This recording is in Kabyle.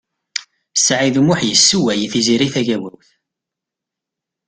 Saɛid U Muḥ yessewway i Tiziri Tagawawt.